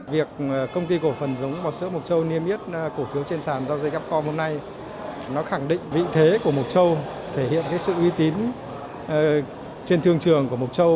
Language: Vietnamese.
việc công ty cổ phần giống bò sữa mộc châu niêm yết cổ phiếu trên sàn giao dịch upcom hôm nay nó khẳng định vị thế của mộc châu thể hiện sự uy tín trên thương trường của mộc châu